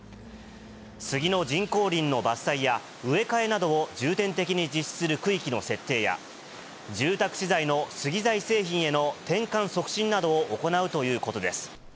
スギの人工林の伐採や、植え替えなどを重点的に実施する区域の設定や、住宅資材のスギ材製品への転換促進などを行うということです。